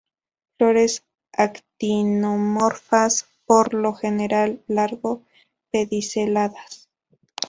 Flores actinomorfas, por lo general largo pediceladas.